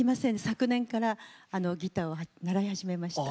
昨年からギターを習い始めました。